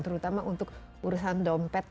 terutama untuk urusan dompet